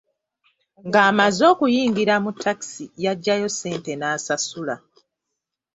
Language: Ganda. Ng'amaze okuyingira mu takisi yagyayo ssente n'asasula.